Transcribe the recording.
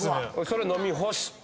それ飲み干して。